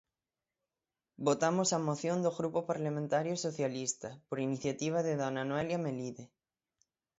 Votamos a moción do Grupo Parlamentario Socialista, por iniciativa de dona Noela Melide.